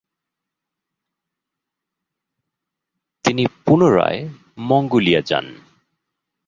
তিনি প্নরায় মঙ্গোলিয়া যান।